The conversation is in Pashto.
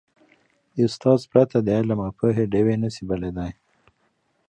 د استاد پرته، د علم او پوهې ډېوي نه سي بلېدلی.